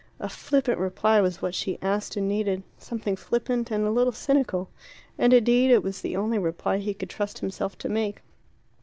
A flippant reply was what she asked and needed something flippant and a little cynical. And indeed it was the only reply he could trust himself to make.